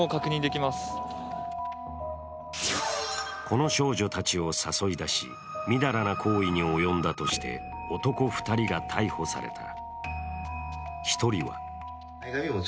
この少女たちを誘い出しみだらな行為に及んだとして男２人が逮捕された。